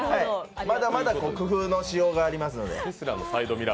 まだまだ工夫のしようがありますので。